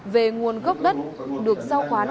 về nguồn gốc đất được giao khoán